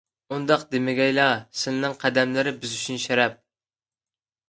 ئۇنداق دېمىگەيلا. سىلىنىڭ قەدەملىرى بىز ئۈچۈن شەرەپ!